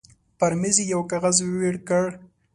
پر مېز يې يو کاغذ وېړ کړ.